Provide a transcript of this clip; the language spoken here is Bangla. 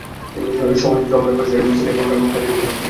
সমন্বয়, প্রচেষ্টার বিস্তার এবং কাজের কৌশলের ক্ষেত্রে দলের প্রক্রিয়া।